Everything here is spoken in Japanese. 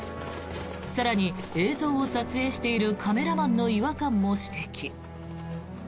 更に、映像を撮影しているカメラマンの違和感も指摘。